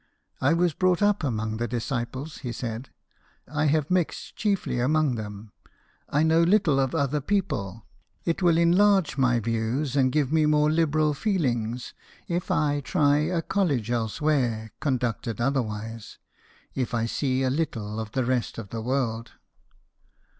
" I was brought up among the Disciples," JAMES GARFIELD, CANAL BOY. 147 he said ;" I have mixed chiefly among them ; I know little of other people ; it will enlarge my views and give me more liberal feelings if I try a college elsewhere, conducted otherwise ; if I see a little of the rest of the world."